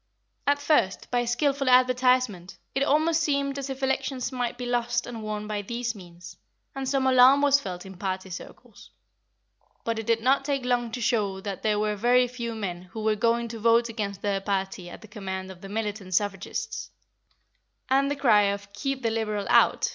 At first, by skilful advertisement, it almost seemed as if elections might be lost and won by these means, and some alarm was felt in party circles; but it did not take long to show that there were very few men who were going to vote against their party at the command of the militant suffragists, and the cry of "Keep the Liberal out!"